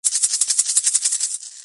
დეპუტატებს არჩევა ხდება შერეული სისტემით.